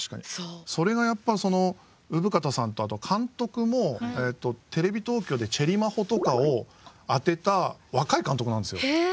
それがやっぱその生方さんとあと監督もテレビ東京で「チェリまほ」とかを当てた若い監督なんですよ。